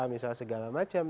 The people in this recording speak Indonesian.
misalnya segala macam